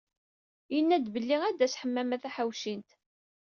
Yenna-d belli ad d-tas Ḥemmama Taḥawcint.